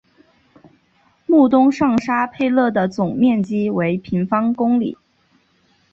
穆东上沙佩勒的总面积为平方公里。